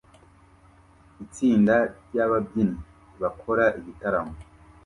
Itsinda ryababyinnyi bakora igitaramo